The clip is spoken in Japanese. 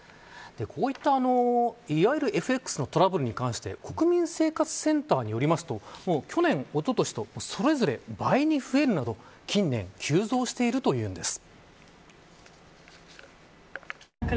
こういった、いわゆるＦＸのトラブルに関して国民生活センターによりますと去年、おととしとそれぞれ倍に増えるなど近年急増しているというんです。